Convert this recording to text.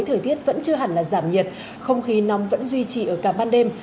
thời tiết vẫn chưa hẳn là giảm nhiệt không khí nóng vẫn duy trì ở cả ban đêm